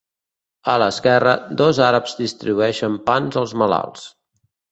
A l'esquerra, dos àrabs distribueixen pans als malalts.